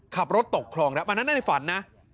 ขับรถตกคลองแล้วอันนั้นในฝันนะ